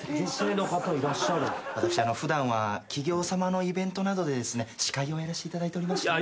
私普段は企業さまのイベントなどでですね司会をやらせていただいておりまして。